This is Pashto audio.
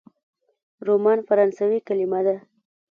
رومان فرانسوي کلمه ده.